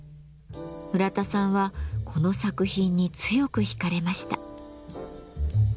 村田さんはこの作品に強く引かれました。